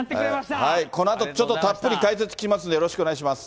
このあと、ちょっとたっぷり解説聞きますんで、よろしくお願いします。